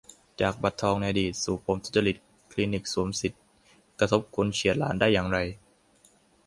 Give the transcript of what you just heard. จาก 'บัตรทอง' ในอดีต สู่ปมทุจริต 'คลินิกสวมสิทธิ' กระทบคนเฉียดล้านได้อย่างไร ?